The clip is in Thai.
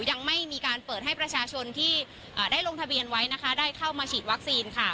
ยังไม่มีการเปิดให้ประชาชนที่ได้ลงทะเบียนไว้นะคะได้เข้ามาฉีดวัคซีนค่ะ